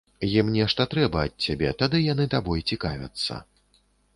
Ім нешта трэба ад цябе, тады яны табой цікавяцца.